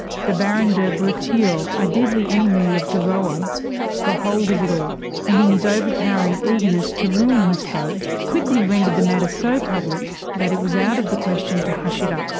The baron de Breteuil, a deadly enemy of de Rohan, got hold of it all, and in his overpowering eagerness to ruin his foe, quickly rendered the matter so public that it was out of the question to hush it up.